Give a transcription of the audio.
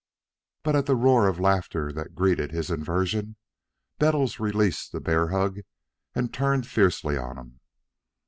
But at the roar of laughter that greeted his inversion, Bettles released the bear hug and turned fiercely on them.